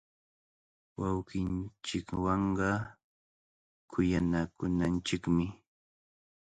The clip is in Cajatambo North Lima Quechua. Wawqinchikwanqa kuyanakunanchikmi.